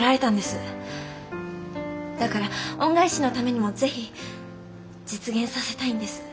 だから恩返しのためにも是非実現させたいんです。